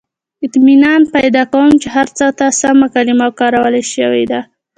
• اطمینان پیدا کوم، چې هر څه ته سمه کلمه کارول شوې ده.